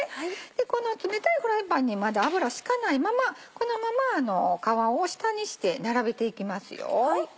この冷たいフライパンにまだ油引かないままこのまま皮を下にして並べていきますよ。